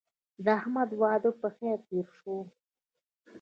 د احمد واده په خیر تېر شو.